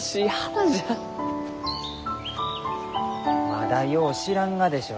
まだよう知らんがでしょう？